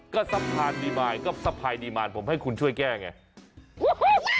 ก็ซัพพาดีมายก็ซัพพาดีมายผมให้คุณช่วยแก้ไง